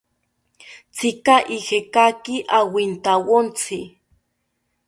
¿Tzika ijekaki awintawontzi?